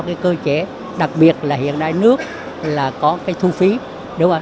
cái cơ chế đặc biệt là hiện nay nước là có cái thu phí đúng không